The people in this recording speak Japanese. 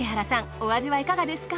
お味はいかがですか？